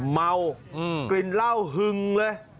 เมากลิ่นเหล้าหึงเลย